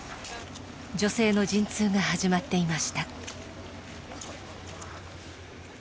女性の陣痛が始まっていました。